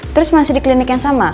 terus masih di klinik yang sama